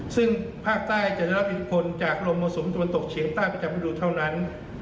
ซึ่งภาคใต้จะได้รอดติดผลจากลมมสมตบตกเฉียงใต้ประจำวิโดท่านั้น